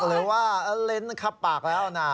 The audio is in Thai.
หรือว่าเล้นครับปากแล้วนะ